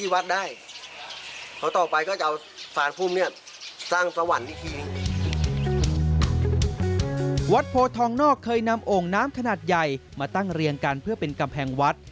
วัดโพทองนอกเคยนำโอ่งน้ำขนาดใหญ่มาตั้งเรียงกันเพื่อเป็นกำแพงวัด